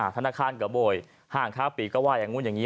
ธนาคารกระโบยห้างค้าปีกก็ว่าอย่างนู้นอย่างนี้